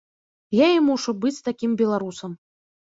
Я і мушу быць такім беларусам.